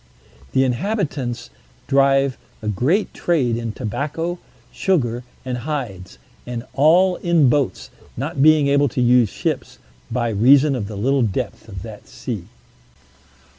The inhabitants drive a great trade in tobacco, sugar, and hides, and all in boats, not being able to use ships, by reason of the little depth of that sea.